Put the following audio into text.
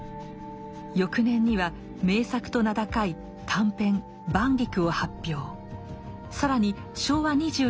翌年には名作と名高い短編「晩菊」を発表。